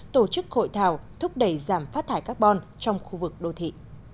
tổ chức hội thảo thúc đẩy giảm phát thải carbon trong khu vực đô thị